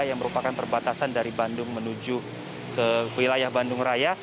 yang merupakan perbatasan dari bandung menuju ke wilayah bandung raya